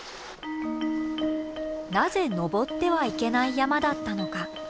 なぜ登ってはいけない山だったのか。